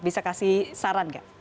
bisa kasih saran gak